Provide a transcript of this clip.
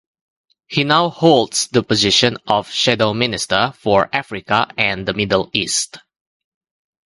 He now holds the position of Shadow Minister for Africa and the Middle East.